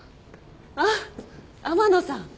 あっ天野さん。